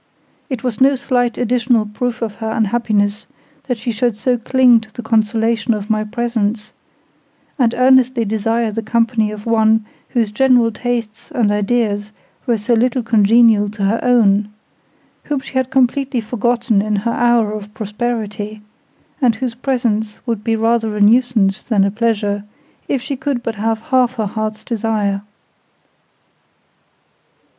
It was no slight additional proof of her unhappiness, that she should so cling to the consolation of my presence, and earnestly desire the company of one whose general tastes and ideas were so little congenial to her own—whom she had completely forgotten in her hour of prosperity, and whose presence would be rather a nuisance than a pleasure, if she could but have half her heart's desire.